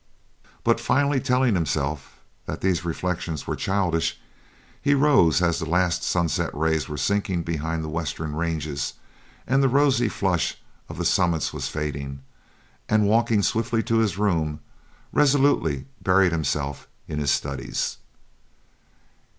But finally telling himself that these reflections were childish, he rose as the last sunset rays were sinking behind the western ranges and the rosy flush on the summits was fading, and, walking swiftly to his room, resolutely buried himself in his studies.